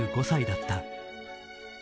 ７５歳だった。